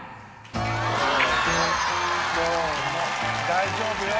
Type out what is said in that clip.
大丈夫よ。